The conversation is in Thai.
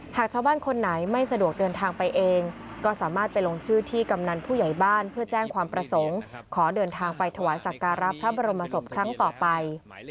หากชาวบ้านคนไหนไม่สะดวกเดินทางไปเองก็สามารถไปลงชื่อที่กำนันผู้ใหญ่บ้านเพื่อแจ้งความประสงค์ขอเดินทางไปถวายสักการะพระบรมศพครั้งต่อไป